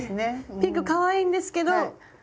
ピンクかわいいんですけど。